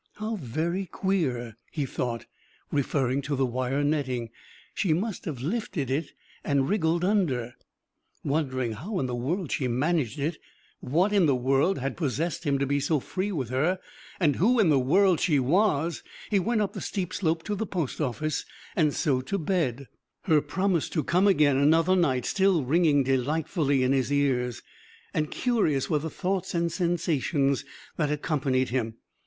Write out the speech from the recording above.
"How very queer!" he thought, referring to the wire netting. "She must have lifted it and wriggled under ...!" Wondering how in the world she managed it, what in the world had possessed him to be so free with her, and who in the world she was, he went up the steep slope to the post office and so to bed, her promise to come again another night still ringing delightfully in his ears. And curious were the thoughts and sensations that accompanied him.